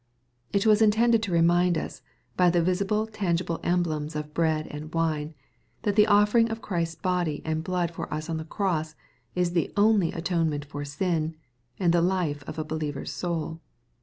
It was intended to remind us, by the visible, tangible emblems of bread and wine, that the offering of Christ's body and blood for us on the cross, is the only atonement for sin, and the life of a believer's soul.